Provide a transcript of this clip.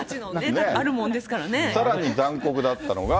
さらに残酷だったのが。